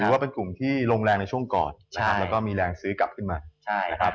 ถือว่าเป็นกลุ่มที่ลงแรงในช่วงก่อนและก็มีแรงซื้อกลับขึ้นมา